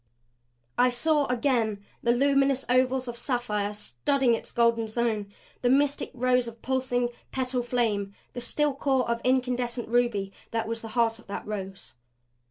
I saw again the luminous ovals of sapphire, studding its golden zone, the mystic rose of pulsing, petal flame, the still core of incandescent ruby that was the heart of that rose.